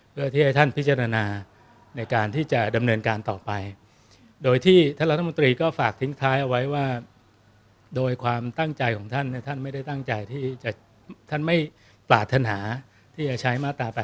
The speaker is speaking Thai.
เพื่อที่ให้ท่านพิจารณาในการที่จะดำเนินการต่อไปโดยที่ท่านรัฐมนตรีก็ฝากทิ้งท้ายเอาไว้ว่าโดยความตั้งใจของท่านท่านไม่ได้ตั้งใจที่จะท่านไม่ปรารถนาที่จะใช้มาตรา๘